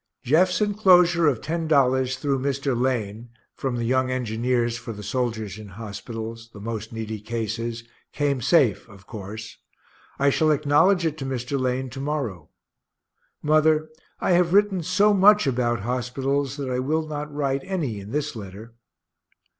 Jeff's enclosure of $10 through Mr. Lane, from the young engineers for the soldiers in hospitals, the most needy cases, came safe of course I shall acknowledge it to Mr. Lane to morrow. Mother, I have written so much about hospitals that I will not write any in this letter.